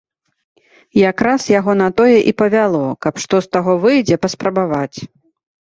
Якраз яго на тое і павяло, каб, што з таго выйдзе, паспрабаваць.